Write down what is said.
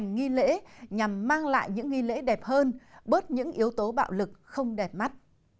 nghi lễ nhằm mang lại những nghi lễ đẹp hơn bớt những yếu tố bạo lực không đẹp mắt